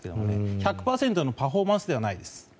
１００％のパフォーマンスではないです。